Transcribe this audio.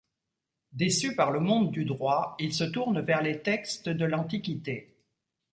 Déçu par le monde du droit, il se tourne vers les textes de l'Antiquité.